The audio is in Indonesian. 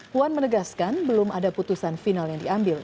puan menegaskan belum ada putusan final yang diambil